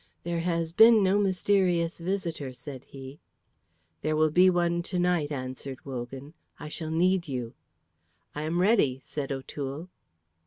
"There has been no mysterious visitor," said he. "There will be one to night," answered Wogan. "I shall need you." "I am ready," said O'Toole.